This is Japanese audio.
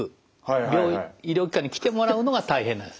病院医療機関に来てもらうのが大変なんです。